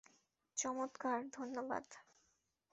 চমৎকার, ধন্যবাদ।